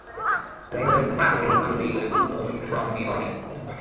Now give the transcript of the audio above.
Kayla's friend and family look on from the audience.